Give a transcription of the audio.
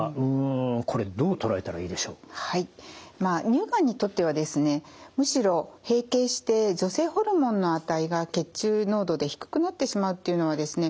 乳がんにとってはですねむしろ閉経して女性ホルモンの値が血中濃度で低くなってしまうっていうのはですね